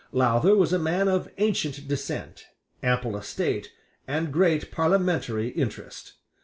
Lowther was a man of ancient descent, ample estate, and great parliamentary interest.